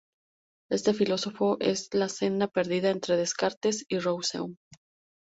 Este filósofo es la senda perdida entre Descartes y Rousseau.